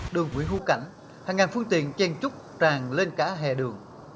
đường quỹ hưu cảnh hàng ngàn phương tiện chen trúc tràn lên cả hề đường